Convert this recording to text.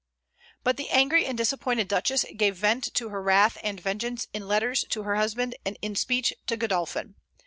But the angry and disappointed Duchess gave vent to her wrath and vengeance in letters to her husband and in speech to Godolphin.